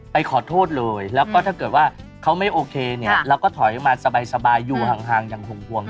ไปขอโทษเลยแล้วก็ถ้าเกิดว่าเขาไม่โอเคเนี่ยเราก็ถอยมาสบายอยู่ห่างอย่างห่วง